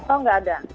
oh enggak ada